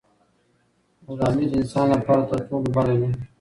غلامي د انسان لپاره تر ټولو بده ده.